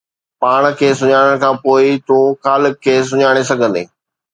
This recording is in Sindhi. پاڻ کي سڃاڻڻ کان پوءِ ئي تون خالق کي سڃاڻي سگهندين